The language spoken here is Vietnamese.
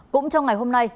cũng trong ngày hôm nay